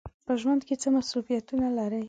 په ژوند کې څه مصروفیتونه لرئ؟